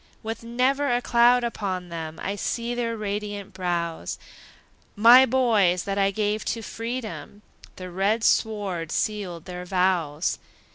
With never a cloud upon them, I see their radiant brows; My boys that I gave to freedom, The red sword sealed their vows!